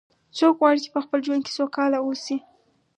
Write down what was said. څوک غواړي چې په خپل ژوند کې سوکاله و اوسي